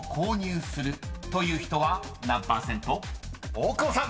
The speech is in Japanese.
［大久保さん］